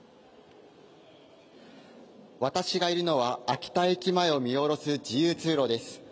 私がいるのは秋田駅前を見下ろす自由通路です。